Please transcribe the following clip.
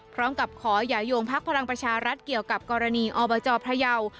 พร้อมกับขออย่าโยงพักพลังประชารัฐเกี่ยวกับกรณีอบจพระยาว